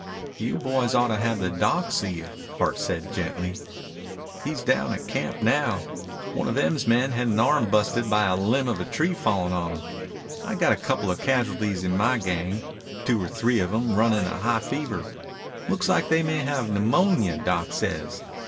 "You boys oughtta have the doc see you," Hart said gently. "He's down at camp now. One of Em's men had an arm busted by a limb of a tree fallin' on him. I've got a coupla casualties in my gang. Two or three of 'em runnin' a high fever. Looks like they may have pneumonia, doc says.